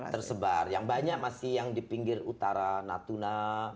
tersebar yang banyak masih yang di pinggir utara natuna